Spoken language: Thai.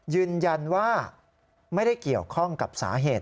ยืนยันว่าไม่ได้เกี่ยวข้องกับสาเหตุ